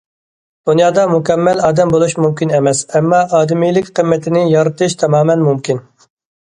دۇنيادا مۇكەممەل ئادەم بولۇش مۇمكىن ئەمەس، ئەمما ئادىمىيلىك قىممىتىنى يارىتىش تامامەن مۇمكىن.